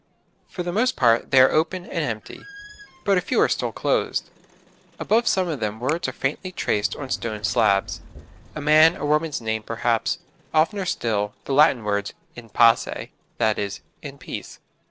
For the most part they are open and empty, but a few are still closed. Above some of them words are faintly traced on stone slabs; a man or woman's name perhaps, oftener still the Latin words, 'In Pace' that is, 'In Peace.'